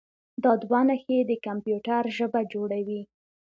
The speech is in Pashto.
دا دوه نښې د کمپیوټر ژبه جوړوي.